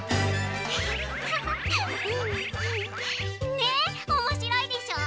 ねっおもしろいでしょう？